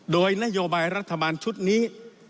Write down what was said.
โดยนโยบายรัฐบาลชุดนี้